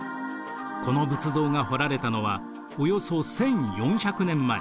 この仏像が彫られたのはおよそ１，４００年前。